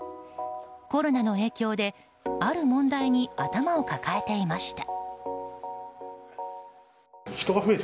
コロナの影響である問題に頭を抱えていました。